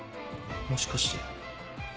もしかして。